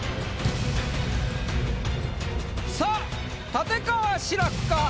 さあ立川志らくか？